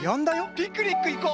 ピクニックいこう！